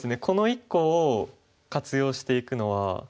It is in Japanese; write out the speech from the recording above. この１個を活用していくのは。